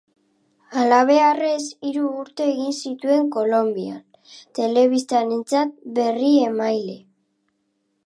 Halabeharrez, hiru urte egin zituen Kolonbian telebistarentzat berriemaile.